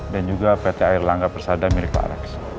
dan juga pt air langga persada milik pak alex